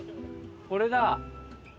これだ。